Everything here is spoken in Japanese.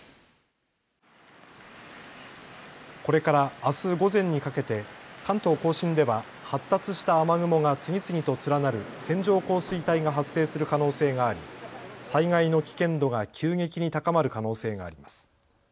これからあす午前にかけて関東甲信では発達した雨雲が次々と連なる線状降水帯が発生する可能性があり災害の危険度が急激に高まる可能性があります。